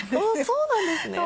そうなんですね。